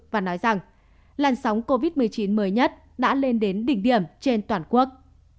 và nói rằng làn sóng covid một mươi chín mới nhất đã lên đến đỉnh điểm trên toàn quốc